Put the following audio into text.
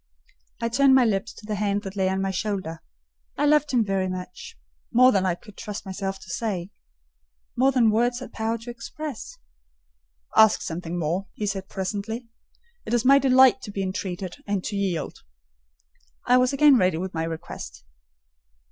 I turned my lips to the hand that lay on my shoulder. I loved him very much—more than I could trust myself to say—more than words had power to express. "Ask something more," he said presently; "it is my delight to be entreated, and to yield." I was again ready with my request.